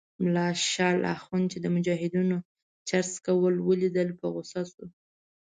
ملا شال اخند چې د مجاهدینو چرس څکول ولیدل په غوسه شو.